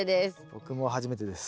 僕も初めてです。